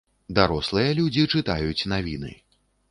Дарослыя людзі чытаюць навіны.